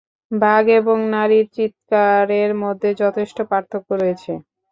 বাঘ এবং নারীর চিৎকারের মধ্যে যথেষ্ট পার্থক্য রয়েছে।